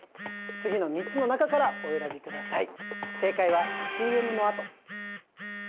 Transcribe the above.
次の３つの中からお選びください